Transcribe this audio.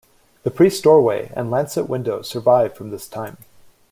The priest's doorway and lancet windows survive from this time.